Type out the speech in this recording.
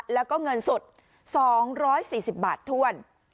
แล้วก็เงินสด๒๔๐บาทถ้วน